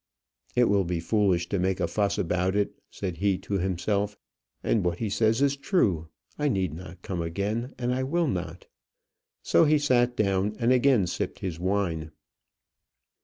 "It will be foolish to make a fuss about it," said he to himself; "and what he says is true. I need not come again, and I will not." So he sat down and again sipped his wine.